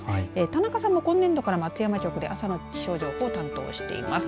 田中さんも今年度から松山局で朝の気象情報を担当しています。